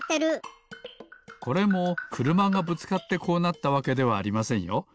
これもくるまがぶつかってこうなったわけではありませんよ。